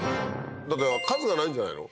数がないんじゃないの？